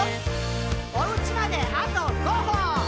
「おうちまであと５歩！」